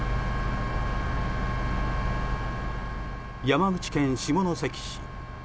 山口県下関市。